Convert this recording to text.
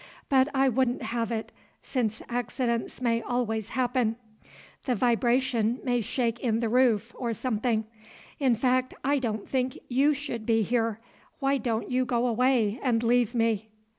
But I wouldn't have it, since accidents may always happen; the vibration might shake in the roof or something; in fact, I don't think you should be here. Why don't you go away and leave me?"